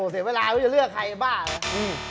เสียเวลาแล้วจะเลือกใครบ้าเลย